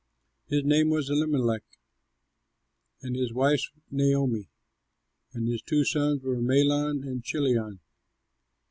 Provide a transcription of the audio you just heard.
His name was Elimelech and his wife's Naomi, and his two sons were Mahlon and Chilion.